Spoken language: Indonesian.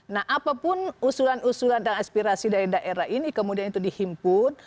nah apapun usulan usulan dan aspirasi dari daerah ini kemudian itu dihimpun